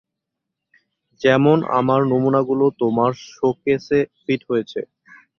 যেমন আমার নমুনাগুলো তোমার শোকেসে ফিট হয়েছে।